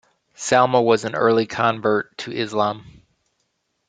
Salma was an early convert to Islam.